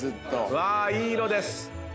うわいい色です。